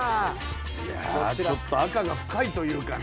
いやちょっと赤が深いというかね。